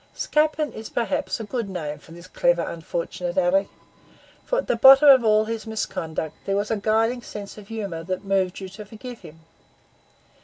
Scapin is perhaps a good name for this clever, unfortunate Alick; for at the bottom of all his misconduct there was a guiding sense of humour that moved you to forgive him.